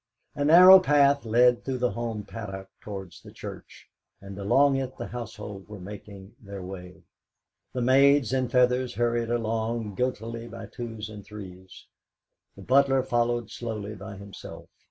A narrow path led through the home paddock towards the church, and along it the household were making their way. The maids in feathers hurried along guiltily by twos and threes; the butler followed slowly by himself.